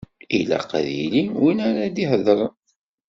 Ilaq ad yili win ara d-iheḍṛen.